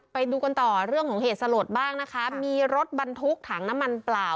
ไปดูกันต่อเรื่องของเหตุสลดบ้างนะคะมีรถบรรทุกถังน้ำมันเปล่า